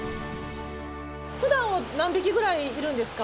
ふだんは何匹ぐらいいるんですか？